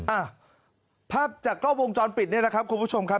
อ่ะภาพจากกล้องวงจรปิดนี่แหละครับคุณผู้ชมครับ